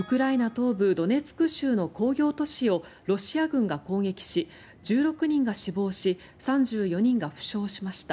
東部ドネツク州の工業都市をロシア軍が攻撃し１６人が死亡し３４人が負傷しました。